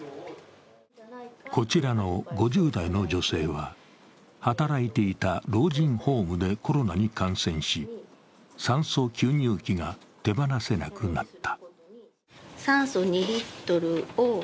こちらの５０代の女性は働いていた老人ホームでコロナに感染し、酸素吸入器が手放せなくなった。